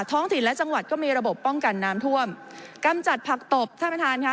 ท้องถิ่นและจังหวัดก็มีระบบป้องกันน้ำท่วมกำจัดผักตบท่านประธานค่ะ